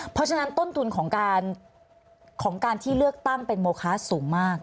เพราะฉะนั้นต้นทุนของการที่เลือกตั้งเป็นโมคะสูงมาก